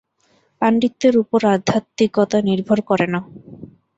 পাণ্ডিত্যের উপর আধ্যাত্মিকতা নির্ভর করে না।